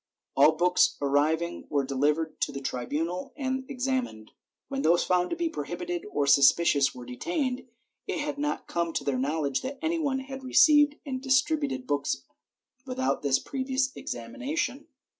All books arriving were delivered to the tribunal and examined, when those found to be prohibited or suspicious were detained ; it had not come to their knowledge that any one had received and distributed books without this previous examination.